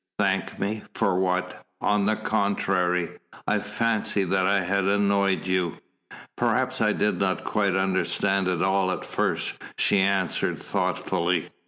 "Thank me? For what? On the contrary I fancied that I had annoyed you." "Perhaps I did not quite understand it all at first," she answered thoughtfully.